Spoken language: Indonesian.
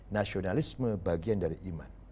nasionalisme bagian dari iman